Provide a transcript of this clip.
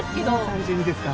３２ですか？